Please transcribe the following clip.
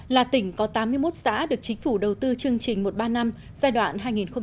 là tỉnh có tám mươi một xã được chính phủ đầu tư chương trình một trăm ba năm giai đoạn hai nghìn một mươi sáu hai nghìn hai mươi